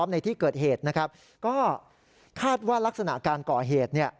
ในที่เกิดเหตุนะครับก็คาดว่าลักษณะการก่อเหตุ